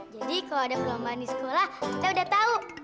jadi kalau ada perlombaan di sekolah kita udah tahu